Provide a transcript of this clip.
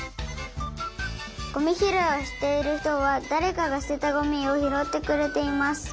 ゴミひろいをしているひとはだれかがすてたゴミをひろってくれています。